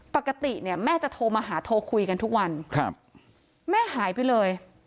ปกติแม่จะโทรมาหาโทรคุยกันทุกวันแม่หายไปเลย